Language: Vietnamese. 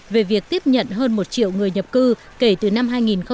về việc tiếp nhận hơn một triệu người nhập cư kể từ năm hai nghìn một mươi